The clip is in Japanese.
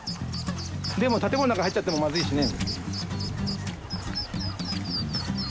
でも建物の中入っちゃってもまずいしね。